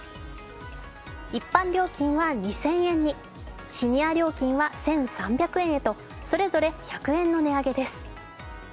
一般料金は２０００円にシニア料金は１３００円へと、それぞれ１００円の値上げです。